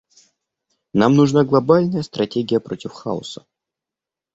Нам нужна глобальная стратегия против хаоса.